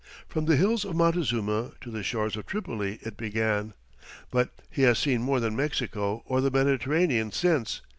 "From the hills of Montezuma to the shores of Tripoli," it began. But he has seen more than Mexico or the Mediterranean since.